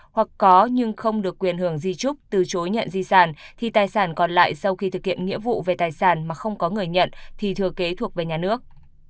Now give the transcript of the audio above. hoặc có nhưng không được quyền hưởng di trúc từ chối nhận di sản thì tài sản còn lại sau khi thực hiện nghĩa vụ về tài sản mà không có người nhận thì thừa kế thuộc về nhà nước